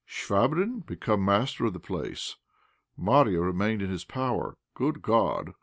Chvabrine become master of the place! Marya remained in his power! Good God!